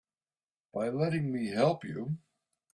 By letting me help you.